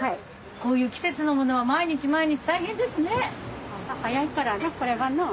こういう季節のものは毎日毎日大変ですね。